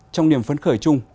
trong niềm phấn khởi chung